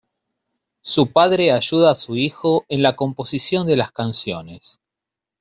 Su padre ayuda a su hijo en la composición de las canciones.